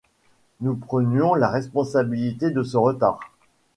Nous prenions la responsabilité de ce retar.